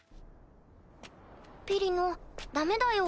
ピリノダメだよ